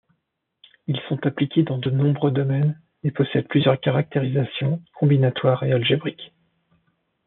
Ils sont appliqués dans de nombreux domaines, et possèdent plusieurs caractérisations, combinatoires et algébriques.